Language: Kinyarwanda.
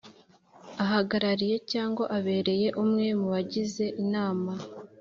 Ahagarariye cyangwa abereye umwe mu bagize inama